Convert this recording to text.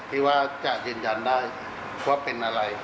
ที่ว่าจะยืนยันได้ว่าเป็นอะไร